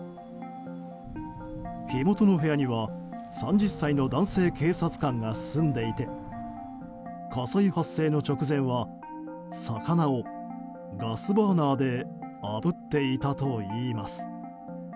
火元の部屋には３０歳の男性警察官が住んでいて火災発生の直前は魚をガスバーナーであぶっていたといいます。